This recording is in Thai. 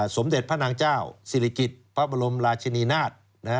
สมเด็จพระนางเจ้าศิริกิจพระบรมราชินีนาฏ